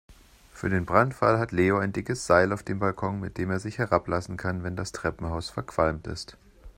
Für den Brandfall hat Leo ein dickes Seil auf dem Balkon, mit dem er sich herablassen kann, wenn das Treppenhaus verqualmt ist.